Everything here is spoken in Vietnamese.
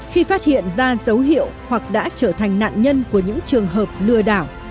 khi phát hiện ra dấu hiệu hoặc đã trở thành nạn nhân của những trường hợp lừa đảo